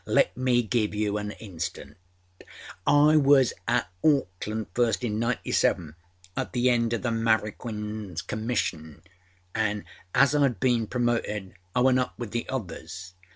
âLet me give you an instance. I was at Auckland first in â97, at the end oâ the Marroquinâs commission, anâ as Iâd been promoted I went up with the others.